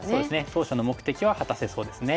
当初の目的は果たせそうですね。